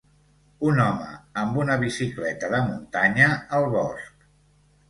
Un home amb una bicicleta de muntanya al bosc.